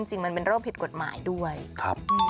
จริงมันเป็นโรคผิดกฎหมายด้วยครับ